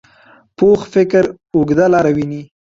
پوخ فکر اوږده لاره ویني